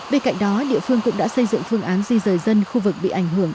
bên cạnh đó địa phương cũng đã xây dựng phương án di rời dân khu vực bị ảnh hưởng